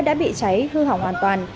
đã bị cháy hư hỏng hoàn toàn